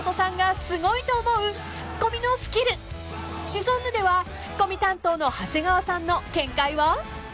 ［シソンヌではツッコミ担当の長谷川さんの見解は？］